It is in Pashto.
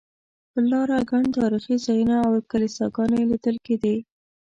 پر لاره ګڼ تاریخي ځایونه او کلیساګانې لیدل کېدې.